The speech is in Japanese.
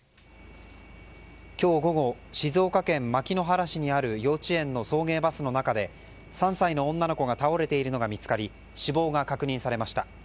今日午後、静岡県牧之原市にある幼稚園の送迎バスの中で３歳の女の子が倒れているのが見つかり死亡が確認されました。